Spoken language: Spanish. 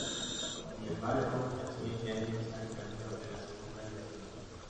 Sin embargo al siguiente año sale campeón de la segunda y asciende.